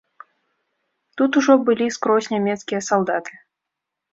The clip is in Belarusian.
Тут ужо былі скрозь нямецкія салдаты.